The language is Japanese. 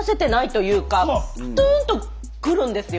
プーンとくるんですよ。